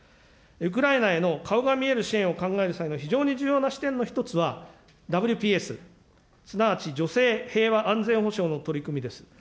ウクライナへの顔が見える支援を考える際の非常に重要な視点の一つは、ＷＰＳ、すなわち、女性、平和、安全保障の取り組みです。